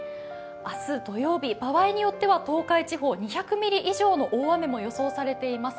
明日土曜日、場合によっては東海地方２００ミリ以上の大雨も予想されています。